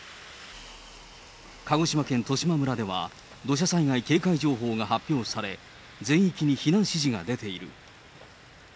鹿児島県十島村では、土砂災害警戒情報が発表され、全域に避難指示が出ている。